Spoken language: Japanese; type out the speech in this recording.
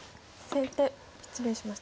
先手失礼しました。